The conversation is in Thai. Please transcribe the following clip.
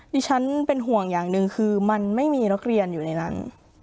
ดิฉันเป็นห่วงอย่างหนึ่งคือมันไม่มีนักเรียนอยู่ในนั้น